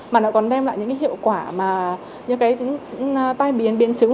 mà nó còn đem lại những hiệu quả như tai biến biến chứng